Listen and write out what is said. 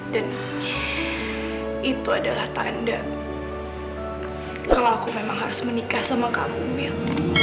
dan itu adalah tanda kalau aku memang harus menikah sama kamu mil